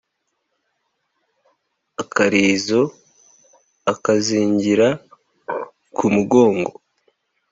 akarizo akazingira ku mugongo